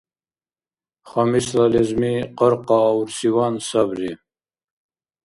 Хамисла лезми къаркъааурсиван сабри.